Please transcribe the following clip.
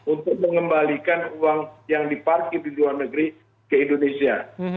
untuk mengembalikan uang yang diparkir di luar negeri ke indonesia